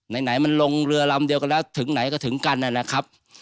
ไหนมันลงเรือลำเดียวกันแล้วถึงไหนก็ถึงกันนะครับ